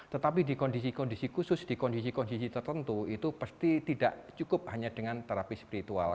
tetapi di kondisi kondisi khusus di kondisi kondisi tertentu itu pasti tidak cukup hanya dengan terapi spiritual